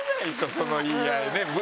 その言い合いね。